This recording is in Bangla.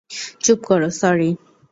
চুপ করো, সরি।